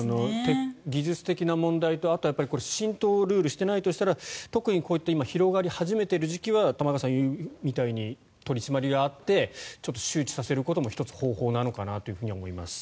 技術的な問題と、あとはルールが浸透していないとしたら特にこうやって広がり始めている時期は玉川さんが言うように取り締まりがあってちょっと周知させることも１つの方法なのかなと思います。